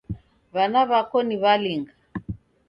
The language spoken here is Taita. W'ana w'ako ni w'alinga?